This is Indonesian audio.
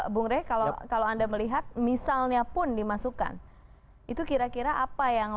bung rey kalau anda melihat misalnya pun dimasukkan itu kira kira apa yang